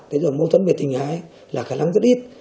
thế rồi mâu thuẫn về tình hại là khả năng rất ít